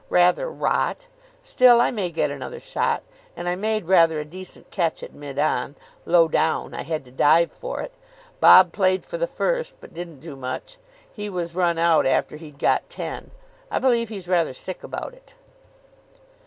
Rather rot. Still, I may get another shot. And I made rather a decent catch at mid on. Low down. I had to dive for it. Bob played for the first, but didn't do much. He was run out after he'd got ten. I believe he's rather sick about it.